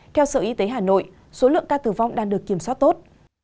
theo sở y tế hà nội số lượng ca tử vong đang được kiểm soát tốt